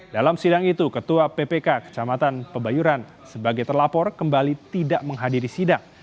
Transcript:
dalam sidang itu ketua ppk kecamatan pebayuran sebagai terlapor kembali tidak menghadiri sidang